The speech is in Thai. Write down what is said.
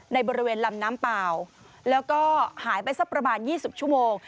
ในบริเวณลำน้ำเปล่าแล้วก็หายไปสักประมาณ๒๐ชั่วโมง